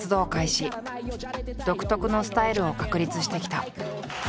独特のスタイルを確立してきた。